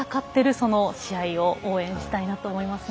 その試合を応援したいなと思います。